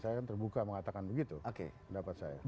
saya kan terbuka mengatakan begitu pendapat saya